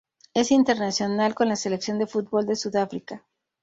Es internacional con la selección de fútbol de Sudáfrica.